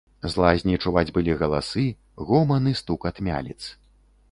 З лазні чуваць былі галасы, гоман і стукат мяліц.